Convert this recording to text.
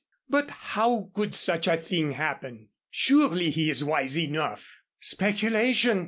"But how could such a thing happen? Surely he is wise enough " "Speculation!"